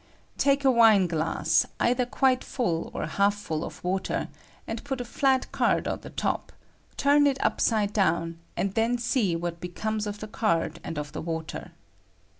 Take a I wine glass, either quite full or half full of water, and put a flat card on the top ; turn it upside I down, and then see what becomes of the card and of the water.